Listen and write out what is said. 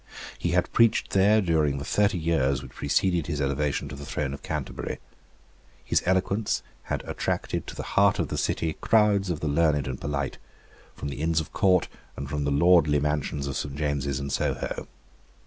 He had preached there during the thirty years which preceded his elevation to the throne of Canterbury. His eloquence had attracted to the heart of the City crowds of the learned and polite, from the Inns of Court and from the lordly mansions of Saint James's and Soho.